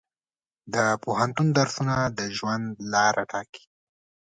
د پوهنتون درسونه د ژوند لاره ټاکي.